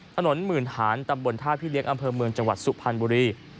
ถนนหมื่นหานตำบลท่าพี่เลี้ยงอำเภอเมืองจังหวัดสุพรรณบุรี